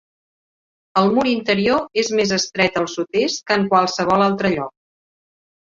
El mur interior és més estret al sud-est que en qualsevol altre lloc.